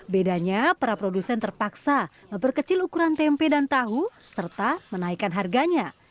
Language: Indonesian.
bedanya para produsen terpaksa memperkecil ukuran tempe dan tahu serta menaikkan harganya